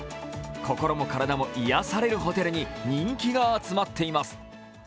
心も体も癒やされるホテルに人気が集まっています。